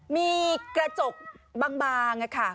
มีกระจกบางนะคะ